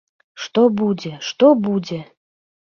Што будзе, што будзе?